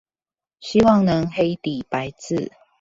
希望能黑底白字